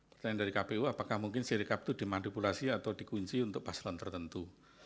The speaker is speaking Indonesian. pertanyaan dari kpu apakah mungkin sirikap itu dimanipulasi atau dikunci untuk paslon tertentu